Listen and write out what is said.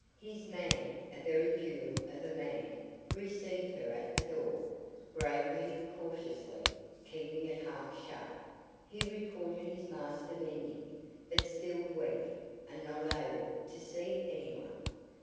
His man a very jewel of a man received her at the door, gravely, cautiously, keeping it half shut. He reported his master mending, but still weak, and not able to see anyone.